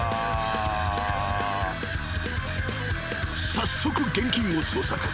［早速現金を捜索］